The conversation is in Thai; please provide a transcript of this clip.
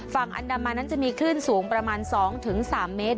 ฝั่งอันดามันนั้นจะมีคลื่นสูงประมาณ๒๓เมตร